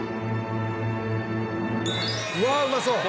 うわあうまそう！